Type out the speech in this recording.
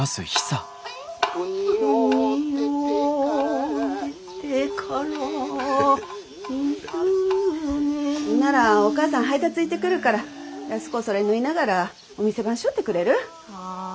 ほんならお母さん配達行ってくるから安子それ縫いながらお店番しょってくれる？